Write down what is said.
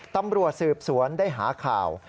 ตำรวจสืบสวนได้หาข่าว